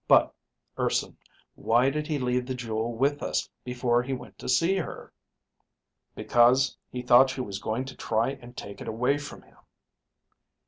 But, Urson, why did he leave the jewel with us before he went to see her?" "Because he thought she was going to try and take it away from him."